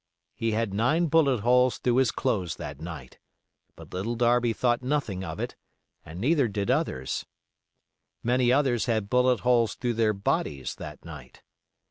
He had nine bullet holes through his clothes that night, but Little Darby thought nothing of it, and neither did others; many others had bullet holes through their bodies that night.